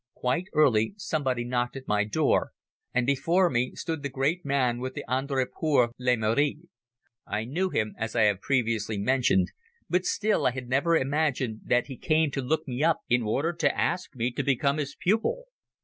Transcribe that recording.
Quite early somebody knocked at my door and before me stood the great man with the Ordre pour le Mérite. I knew him, as I have previously mentioned, but still I had never imagined that he came to look me up in order to ask me to become his pupil.